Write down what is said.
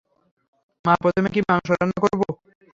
মা, প্রথমে কি মাংস রান্না করবো?